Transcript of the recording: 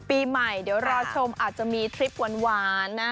ปีใหม่เดี๋ยวรอชมอาจจะมีทริปหวานนะ